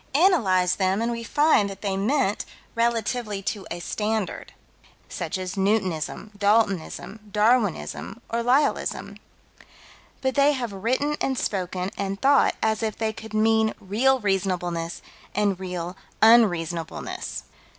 Analyze them and we find that they meant relatively to a standard, such as Newtonism, Daltonism, Darwinism, or Lyellism. But they have written and spoken and thought as if they could mean real reasonableness and real unreasonableness.